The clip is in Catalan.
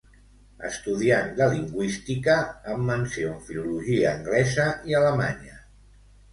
Estudiant de Lingüística amb menció en Filologia Anglesa i Alemanya.